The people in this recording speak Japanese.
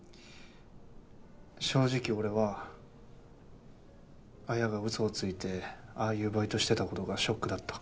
正直俺は彩がうそをついてああいうバイトをしてたことがショックだった。